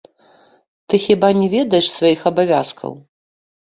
Ты хіба не ведаеш сваіх абавязкаў?